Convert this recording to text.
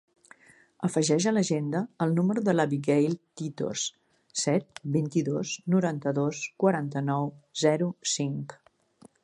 Afegeix a l'agenda el número de l'Abigaïl Titos: set, vint-i-dos, noranta-dos, quaranta-nou, zero, cinc.